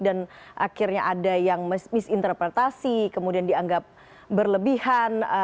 dan akhirnya ada yang misinterpretasi kemudian dianggap berlebihan